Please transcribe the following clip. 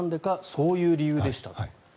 そういう理由でしたと。